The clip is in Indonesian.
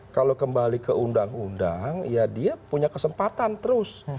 kalau kembali ke undang undang ya dia punya kesempatan terus